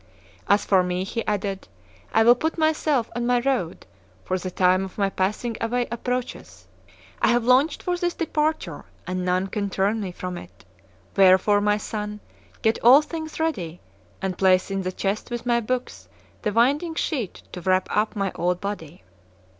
"As for me," he added, "I will put myself on my road, for the time of my passing away approacheth. I have longed for this departure, and none can turn me from it; wherefore, my son, get all things ready, and place in the chest with my books the winding sheet to wrap up my old body."